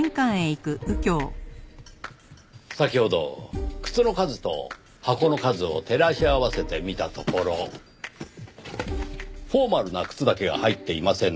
先ほど靴の数と箱の数を照らし合わせてみたところフォーマルな靴だけが入っていませんでした。